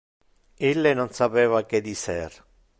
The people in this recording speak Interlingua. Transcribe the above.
Ille non sapeva que dicer.